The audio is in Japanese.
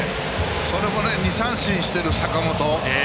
それも２三振している坂本。